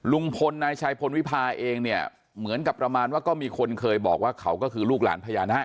ลุงพลนายชัยพลวิพาเองเนี่ยเหมือนกับประมาณว่าก็มีคนเคยบอกว่าเขาก็คือลูกหลานพญานาค